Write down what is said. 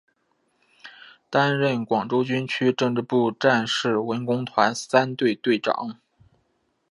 担任广州军区政治部战士文工团三队队长。